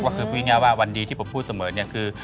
ก็คือพูดง่ายว่าวันดีที่ผมพูดเสมอเนี่ยคือ